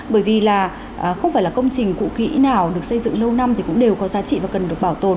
bởi vì là không phải là công trình cụ kỹ nào được xây dựng lâu năm thì cũng đều có giá trị và cần được bảo tồn